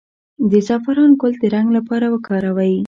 د زعفران ګل د رنګ لپاره وکاروئ